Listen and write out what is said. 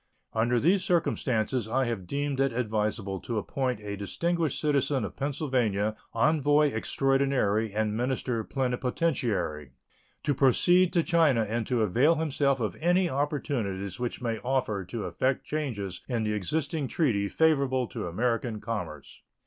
Under these circumstances I have deemed it advisable to appoint a distinguished citizen of Pennsylvania envoy extraordinary and minister plenipotentiary to proceed to China and to avail himself of any opportunities which may offer to effect changes in the existing treaty favorable to American commerce.